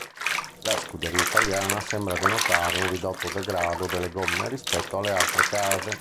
La scuderia italiana sembra denotare un ridotto degrado delle gomme rispetto alle altre case.